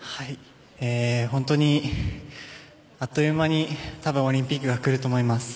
本当にあっという間に多分、オリンピックが来ると思います。